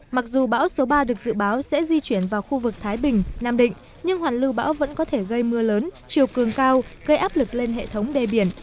mặc dù bão số ba được dự báo sẽ di chuyển vào khu vực thái bình nam định nhưng hoàn lưu bão vẫn có thể gây mưa lớn chiều cường cao gây áp lực lên hệ thống đê biển